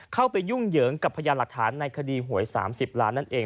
ยุ่งเหยิงกับพยานหลักฐานในคดีหวย๓๐ล้านนั่นเอง